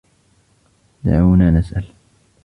دعونا نسأل.